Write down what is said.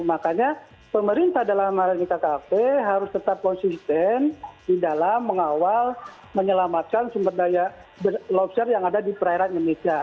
makanya pemerintah dalam hal ini kkp harus tetap konsisten di dalam mengawal menyelamatkan sumber daya lobster yang ada di perairan indonesia